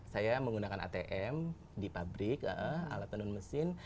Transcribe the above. saya menggunakan atm di pabrik alat tenun mesin